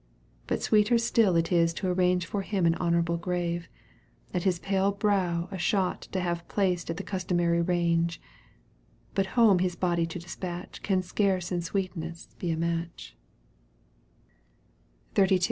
But sweeter stiH it is to arrange For him an honourable grave, At his pale brow a shot to have. Placed at the customary range ; But home his body to despatch Can scarce in sweetness be a match/ Digitized by VjOOQ 1С 176 EUGENE ONjfeGUINE.